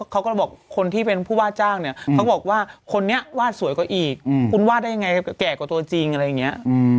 เขาก็บอกคนที่เป็นผู้ว่าจ้างเนี่ยเขาบอกว่าคนนี้วาดสวยกว่าอีกคุณวาดได้ยังไงแก่กว่าตัวจริงอะไรอย่างนี้